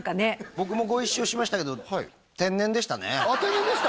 僕もご一緒しましたけど天然でしたねあっ天然でした？